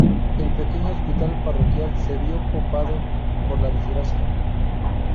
El pequeño hospital parroquial se vio copado por la desgracia.